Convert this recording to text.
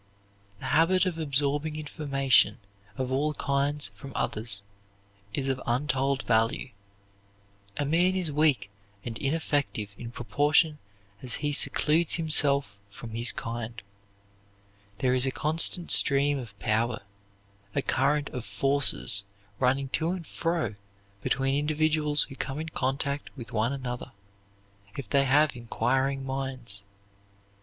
The habit of absorbing information of all kinds from others is of untold value. A man is weak and ineffective in proportion as he secludes himself from his kind. There is a constant stream of power, a current of forces running to and fro between individuals who come in contact with one another, if they have inquiring minds.